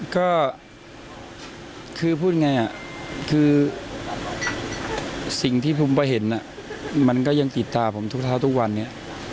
ก็คือพูดไงคือสิ่งที่ผมไปเห็นมันก็ยังติดตาผมทุกเช้าทุกวันเนี่ย